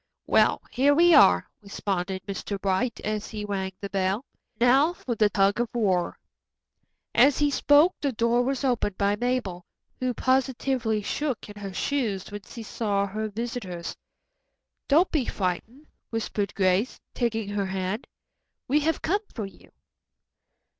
"Well, here we are," responded Mr. Bright, as he rang the bell. "Now for the tug of war." As he spoke the door was opened by Mabel, who positively shook in her shoes when she saw her visitors. "Don't be frightened," whispered Grace, taking her hand. "We have come for you."